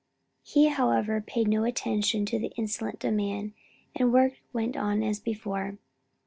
He however paid no attention to the insolent demand, and the work went on as before.